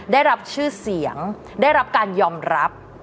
ได้รับชื่อเสียงได้รับการยอมรับ